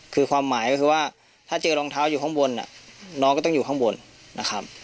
คือความหมายก็คือว่าถ้าเจอรองเท้าอยู่ข้างบนน้องก็ต้องอยู่ข้างบนนะครับ